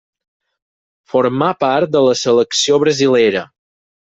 Formà part de la selecció brasilera.